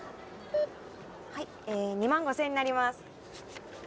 はい２万５，０００円になります。